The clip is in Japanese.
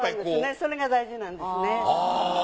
それが大事なんですね。